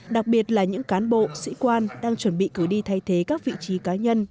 đặc biệt là những cán bộ sĩ quan đang chuẩn bị cử đi thay thế các vị trí cá nhân